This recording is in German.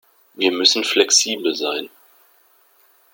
Wir müssen flexibel sein.